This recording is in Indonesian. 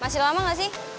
masih lama gak sih